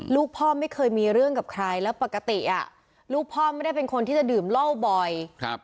ลูกพ่อไม่เคยมีเรื่องกับใครแล้วปกติอ่ะลูกพ่อไม่ได้เป็นคนที่จะดื่มเหล้าบ่อย